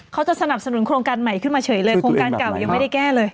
สนับสนุนโครงการใหม่ขึ้นมาเฉยเลยโครงการเก่ายังไม่ได้แก้เลย